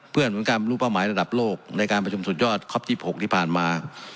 เหมือนกันรูปเป้าหมายระดับโลกในการประชุมสุดยอดครอบที่๖ที่ผ่านมา